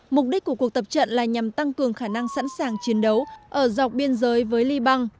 mục đích của cuộc tập trận là nhằm tăng cường khả năng sẵn sàng chiến đấu ở dọc biên giới với liban